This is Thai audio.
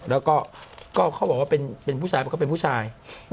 แล้วก็เขาบอกว่าเป็นผู้ชายก็เป็นผู้ชาย